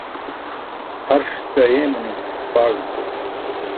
Harṣ ce ayeemanum, paaẏo ce.